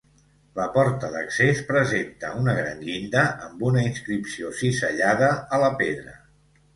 La porta d'accés presenta una gran llinda amb una inscripció cisellada a la pedra.